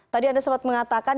tadi anda sempat mengatakan